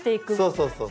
そうそうそう。